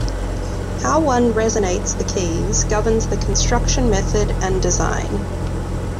How one resonates the keys governs the construction method and design.